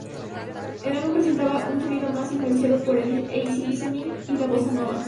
El álbum presentaba un sonido más influenciado por el easy-listening y la bossa nova.